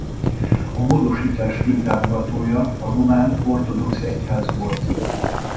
A módosítás fő támogatója a román ortodox egyház volt.